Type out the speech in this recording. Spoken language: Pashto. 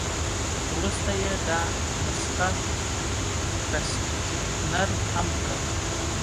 وروسته یې دا نسخه ګسټتنر هم کړه.